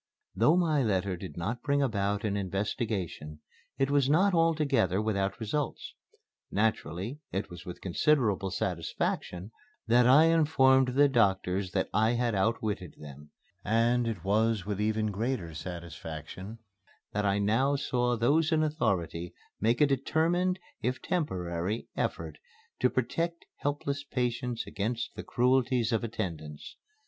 Though my letter did not bring about an investigation, it was not altogether without results. Naturally, it was with considerable satisfaction that I informed the doctors that I had outwitted them, and it was with even greater satisfaction that I now saw those in authority make a determined, if temporary, effort to protect helpless patients against the cruelties of attendants.